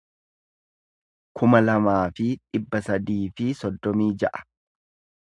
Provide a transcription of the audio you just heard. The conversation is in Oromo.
kuma lamaa fi dhibba sadii fi soddomii ja'a